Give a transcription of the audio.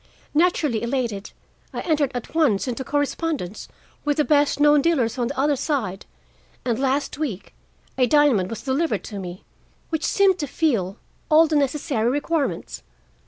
Naturally elated, I entered at once into correspondence with the best known dealers on the other side, and last week a diamond was delivered to me which seemed to fill all the necessary requirements.